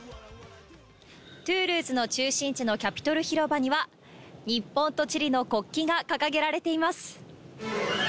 トゥールーズの中心地のキャピトル広場には、日本とチリの国旗が掲げられています。